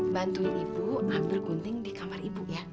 bantuin ibu ambil gunting di kamar ibu ya